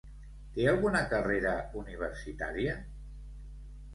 Té alguna carrera universitària?